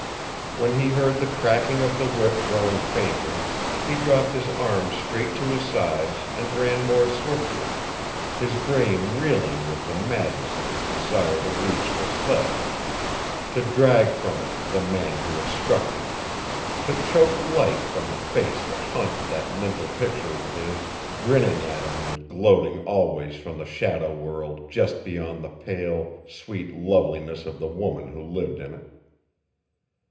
When he heard the cracking of the whip growing fainter, he dropped his arms straight to his sides and ran more swiftly, his brain reeling with the madness of his desire to reach the sledge to drag from it the man who had struck him, to choke life from the face that haunted that mental picture of his, grinning at him and gloating always from the shadow world, just beyond the pale, sweet loveliness of the woman who lived in it.